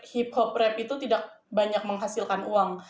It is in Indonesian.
hip hop rap itu tidak banyak menghasilkan uang